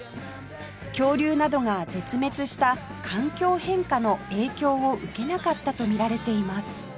恐竜などが絶滅した環境変化の影響を受けなかったとみられています